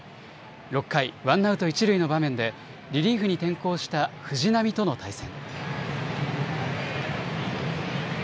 ６回ワンアウト一塁の場面でリリーフに転向した藤浪との対戦。